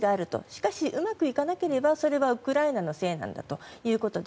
しかし、うまくいかなければそれはウクライナのせいなんだと。